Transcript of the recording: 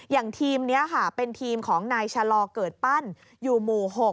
อย่างทีมนี้ค่ะเป็นทีมของนายชะลอเกิดปั้นอยู่หมู่๖